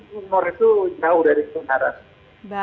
rumor itu jauh dari kemarin